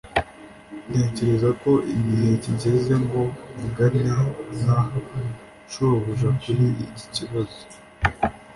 Ntekereza ko igihe kigeze ngo mvugane na shobuja kuri iki kibazo.